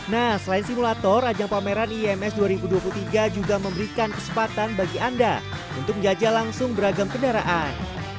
nah selain simulator ajang pameran ims dua ribu dua puluh tiga juga memberikan kesempatan bagi anda untuk menjajah langsung beragam kendaraan